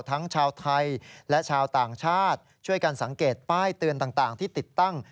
ทั้งชาวไทยและชาวต่างชาติช่วยกันสังเกตป้ายเตือนต่างที่ติดตั้ง